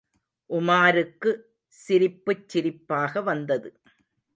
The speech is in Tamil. உமாருக்கு சிரிப்புச் சிரிப்பாக வந்தது.